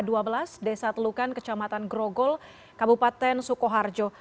di desa telukan kecamatan grogol kabupaten sukoharjo